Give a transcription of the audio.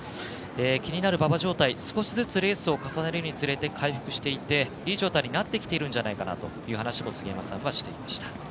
気になる馬場状態、少しずつレースを重ねるにつれて回復していていい状態になってきているんじゃないかなという話も杉山さんはしていました。